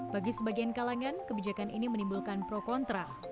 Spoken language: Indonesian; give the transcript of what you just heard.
bagi sebagian kalangan kebijakan ini menimbulkan pro kontra